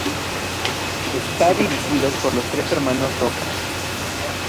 Está dirigido por los tres hermanos Roca.